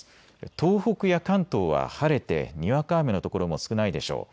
東北や関東は晴れてにわか雨の所も少ないでしょう。